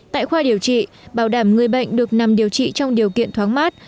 tại khoa điều trị bảo đảm người bệnh được nằm điều trị trong điều kiện thoáng mát